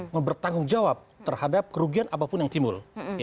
mempertanggung jawab terhadap kerugian apapun yang timbul